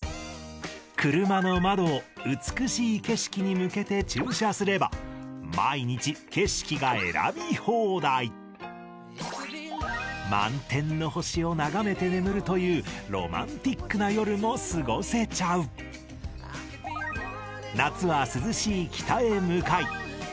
車の窓を美しい景色に向けて駐車すれば毎日景色が選び放題を眺めて眠るというロマンチックな夜も過ごせちゃう四季の移ろいとともにハハハ！